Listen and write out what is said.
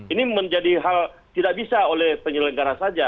ini menjadi hal tidak bisa oleh penyelenggara saja